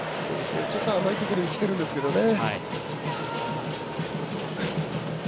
甘いところにきてるんですけどね。